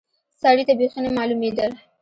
سړي ته بيخي نه معلومېدل.